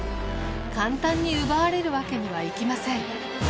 簡単に奪われるわけにはいきません。